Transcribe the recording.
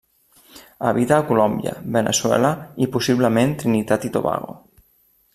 Habita a Colòmbia, Veneçuela i possiblement Trinitat i Tobago.